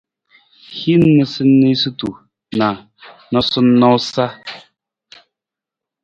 Hin niisaniisatu na noosunoosutu.